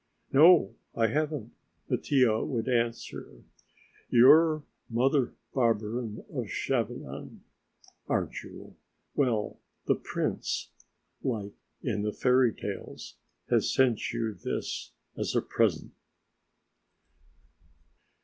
"No, I haven't," Mattia would answer; "you're Mother Barberin of Chevanon, aren't you? Well, the prince (like in fairy tales) has sent you this as a present."